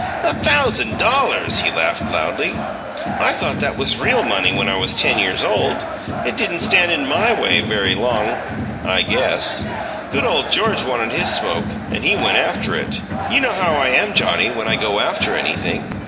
"A thousand dollars!" he laughed loudly. "I thought that was real money when I was ten years old! It didn't stand in MY way very long, I guess! Good ole George wanted his smoke, and he went after it! You know how I am, Johnnie, when I go after anything.